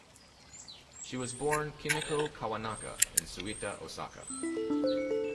She was born Kimiko Kawanaka in Suita, Osaka.